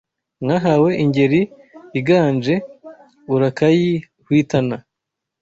Mwahawe ingeri iganje Urakayihwitana